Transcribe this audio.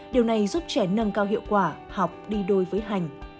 điều này giúp trẻ nâng cao hiệu quả học đi đôi với hành